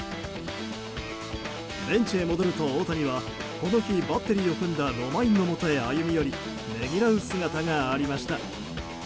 ベンチへ戻ると大谷はこの日、バッテリーを組んだロマインのもとへ歩み寄りねぎらう姿がありました。